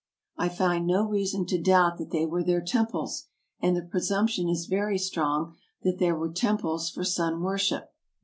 I find no reason to doubt that they were their temples, and the presumption is very strong that they were temples for sun worship.